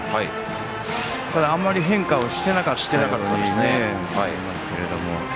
ただあまり変化をしていなかったように見えますが。